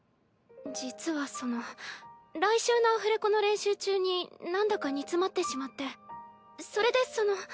実はその来週のアフレコの練習中になんだか煮詰まってしまってそれでその。